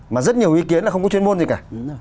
mà rất nhiều ý kiến là không có chuyên môn gì cả